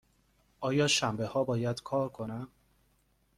آیا شنبه ها باید کار کنم؟